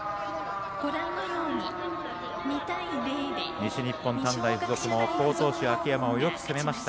西日本短大付属も好投手、秋山をよく攻めました。